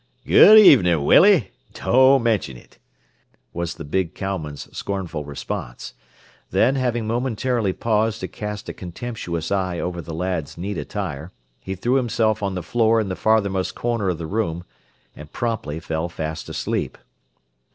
"Good evening, Willie. Don't mention it," was the big cowman's scornful response. Then, having momentarily paused to cast a contemptuous eye over the lad's neat attire, he threw himself on the floor in the farthermost corner of the room, and promptly fell fast asleep.